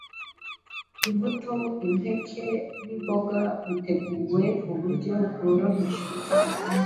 Imbuto, impeke n’imboga, biteguwe mu buryo bworoheje,